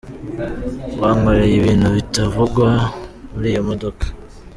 Bankoreye ibintu bitavugwa muri iyo modoka.